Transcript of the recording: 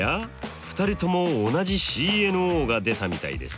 ２人とも同じＣＮＯが出たみたいですね。